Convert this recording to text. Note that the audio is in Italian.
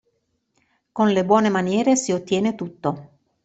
Con le buone maniere si ottiene tutto.